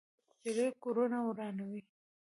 جګړه کورونه ورانوي